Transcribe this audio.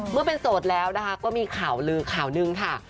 เมื่อเป็นโสดแล้วนะคะก็มีข่าวลือข่าวหนึ่งค่ะ